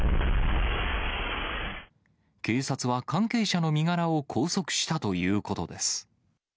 警察は関係者の身柄を拘束したということです。